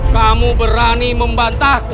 kamu berani membantahku